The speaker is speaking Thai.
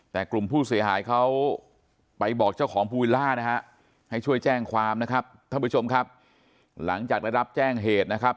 แต่กลุ่มผู้เสียหายเขาไปบอกเจ้าของภูวิลล่านะฮะให้ช่วยแจ้งความนะครับท่านผู้ชมครับหลังจากได้รับแจ้งเหตุนะครับ